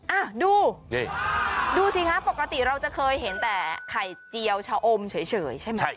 อ่ะดูนี่ดูสิคะปกติเราจะเคยเห็นแต่ไข่เจียวชะอมเฉยใช่ไหม